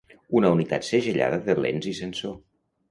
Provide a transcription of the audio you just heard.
Una unitat segellada de lents i sensor.